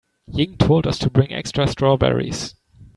Ying told us to bring extra strawberries.